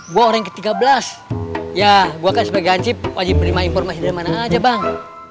gue orang ke tiga belas ya gue akan sebagai gancip wajib menerima informasi dari mana aja bang